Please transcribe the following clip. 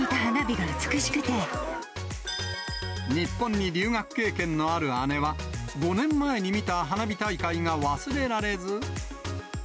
日本に留学経験のある姉は、５年前に見た花火大会が忘れられず。